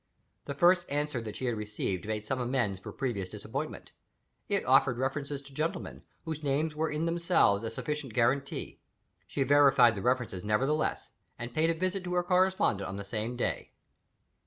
The first answer that she received made some amends for previous disappointment. It offered references to gentlemen, whose names were in themselves a sufficient guarantee. She verified the references nevertheless, and paid a visit to her correspondent on the same day.